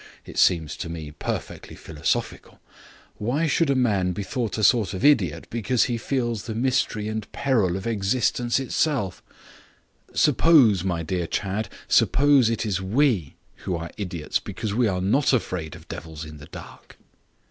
It seems to me perfectly philosophical. Why should a man be thought a sort of idiot because he feels the mystery and peril of existence itself? Suppose, my dear Chadd, suppose it is we who are the idiots because we are not afraid of devils in the dark?"